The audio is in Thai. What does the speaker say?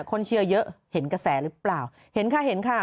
เชียร์เยอะเห็นกระแสหรือเปล่าเห็นค่ะเห็นค่ะ